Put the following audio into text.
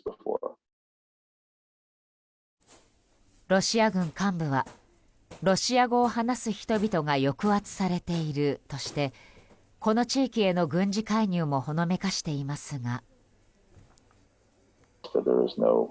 ロシア軍幹部はロシア語を話す人々が抑圧されているとしてこの地域への軍事介入もほのめかしていますが。